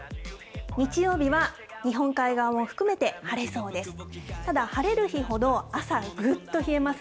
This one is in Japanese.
日曜日は日本海側も含めて晴れそうです。